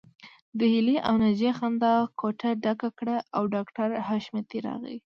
د هيلې او ناجيې خندا کوټه ډکه کړه او ډاکټر حشمتي راغی